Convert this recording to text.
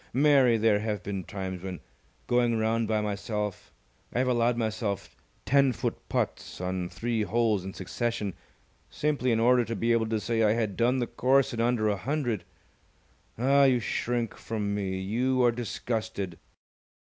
Mary, there have been times when, going round by myself, I have allowed myself ten foot putts on three holes in succession, simply in order to be able to say I had done the course in under a hundred. Ah! you shrink from me! You are disgusted!"